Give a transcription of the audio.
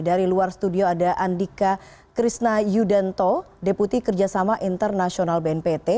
dari luar studio ada andika krishna yudento deputi kerjasama internasional bnpt